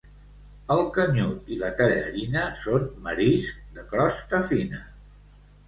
El canyut i la tellerina són mariscs de crosta fina.